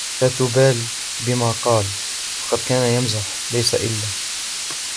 لا تبال بما قال ، فقد كان يمزح ليس إلا.